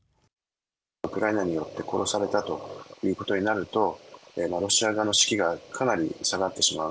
ウクライナによって殺されたということになると、ロシア側の士気がかなり下がってしまう。